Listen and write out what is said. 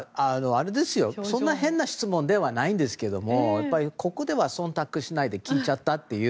そんな変な質問ではないんですけどもここでは忖度しないで聞いちゃったという。